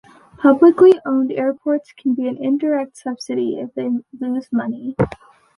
Publicly owned airports can be an indirect subsidy if they lose money.